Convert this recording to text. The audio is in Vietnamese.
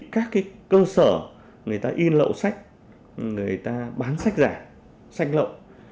các cơ sở người ta in lậu sách người ta bán sách giả sách lậu